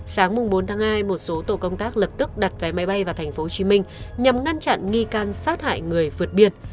sáng bốn tháng hai một số tổ công tác lập tức đặt vé máy bay vào tp hcm nhằm ngăn chặn nghi can sát hại người vượt biên